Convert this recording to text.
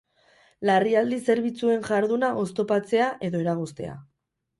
Larrialdi zerbitzuen jarduna oztopatzea edo eragoztea.